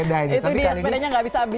itu dia sepedanya nggak bisa ambil